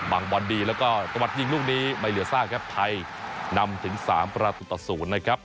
บางบอดดีและกวัดยิงลูกนี้ไม่เหลือสร้างครับไทยนำถึง๓ประตูตะ๐นะครับ